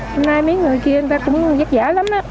hôm nay mấy người kia người ta cũng giác giả lắm đó